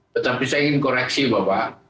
tetapi saya ingin koreksi bapak